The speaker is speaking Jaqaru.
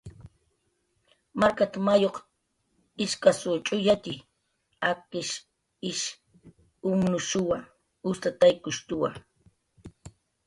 "Markat"" mayuq ishkasw ch'uyatxi, akishq ish umnushuwa, ustataykushtuwa"